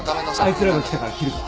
あいつらが来たから切るぞ。